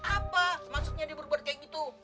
apa maksudnya dia berbuat kayak gitu